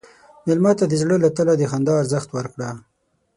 مېلمه ته د زړه له تله د خندا ارزښت ورکړه.